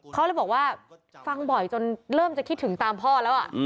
เขาเลยบอกว่าฟังบ่อยจนเริ่มจะคิดถึงตามพ่อแล้ว